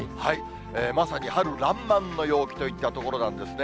まさに春らんまんの陽気といったところなんですね。